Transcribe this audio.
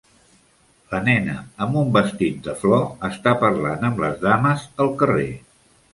La nena en un vestit de flor està parlant amb les dames al carrer